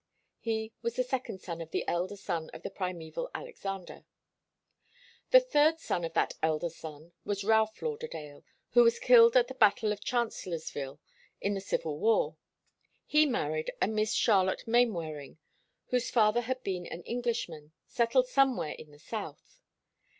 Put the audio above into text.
He was the second son of the elder son of the primeval Alexander. The third son of that elder son was Ralph Lauderdale, who was killed at the battle of Chancellorsville in the Civil War. He married a Miss Charlotte Mainwaring, whose father had been an Englishman settled somewhere in the South.